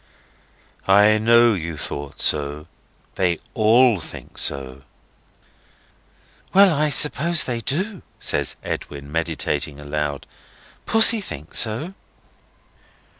"I know you thought so. They all think so." "Well, I suppose they do," says Edwin, meditating aloud. "Pussy thinks so."